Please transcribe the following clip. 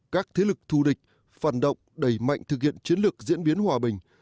các thế lực thù địch phản động đẩy mạnh thực hiện chiến lược diễn biến hòa bình